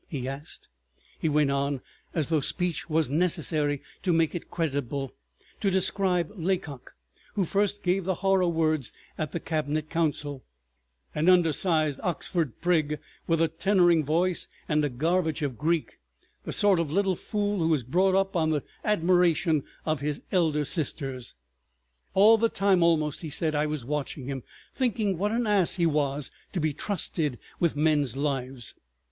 he asked. He went on, as though speech was necessary to make it credible, to describe Laycock, who first gave the horror words at the cabinet council, "an undersized Oxford prig with a tenoring voice and a garbage of Greek—the sort of little fool who is brought up on the admiration of his elder sisters. ... "All the time almost," he said, "I was watching him—thinking what an ass he was to be trusted with men's lives.